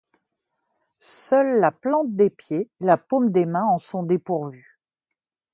Seules la plante des pieds et la paume des mains en sont dépourvues.